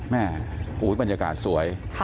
แม่บรรยากาศสวย